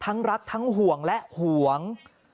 ทั้งรักทั้งห่วงและห่วง